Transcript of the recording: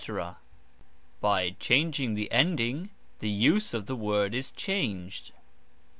By changing the ending the use of the word is changed.